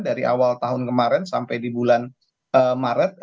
dari awal tahun kemarin sampai di bulan maret